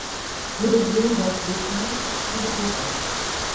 Die Region weist vulkanische Aktivität auf.